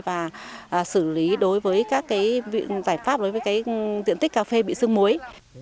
và xử lý đối với các viện giải pháp đối với tiện tích cà phê bị sương muối